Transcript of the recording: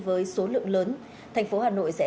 với số lượng lớn tp hà nội sẽ